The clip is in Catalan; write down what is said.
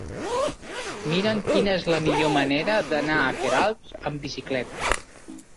Mira'm quina és la millor manera d'anar a Queralbs amb bicicleta.